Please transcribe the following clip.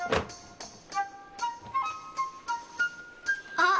・あっ！